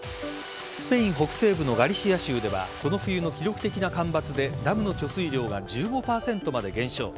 スペイン北西部のガリシア州ではこの冬の記録的な干ばつでダムの貯水量が１５％まで減少。